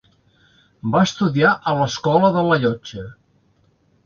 Va estudiar a l'Escola de la Llotja.